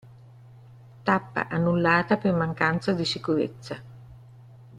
Tappa annullata per mancanza di sicurezza.